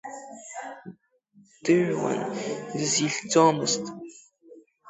Дыҩуан, дызихьӡомызт.